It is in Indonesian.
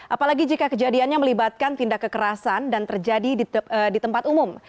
apalagi jika kejadiannya melibatkan tindak kekerasan dan terjadi di tempat umum